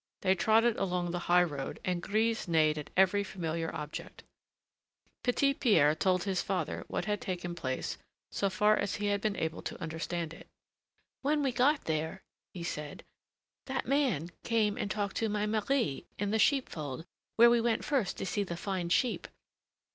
They trotted along the high road, and Grise neighed at every familiar object. Petit Pierre told his father what had taken place so far as he had been able to understand it. "When we got there," he said, "that man came and talked to my Marie in the sheepfold, where we went first to see the fine sheep.